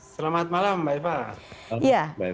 selamat malam mbak ipa